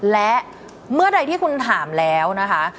และเมื่อใดที่คุณถามแล้วนะคะ